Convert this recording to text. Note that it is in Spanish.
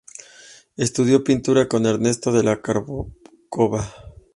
Estudió pintura con Ernesto de la Cárcova.